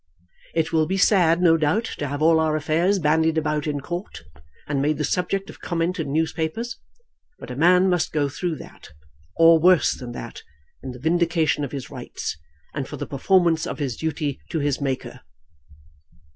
It will be sad, no doubt, to have all our affairs bandied about in court, and made the subject of comment in newspapers, but a man must go through that, or worse than that, in the vindication of his rights, and for the performance of his duty to his Maker."